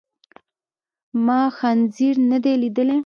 ما خنزير ندی لیدلی.